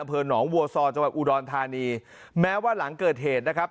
อำเภอหนองวัวซอจังหวัดอุดรธานีแม้ว่าหลังเกิดเหตุนะครับ